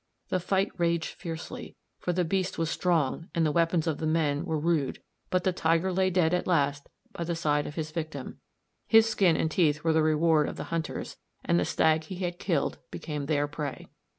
The fight raged fiercely, for the beast was strong and the weapons of the men were rude, but the tiger lay dead at last by the side of his victim. His skin and teeth were the reward of the hunters, and the stag he had killed became their prey.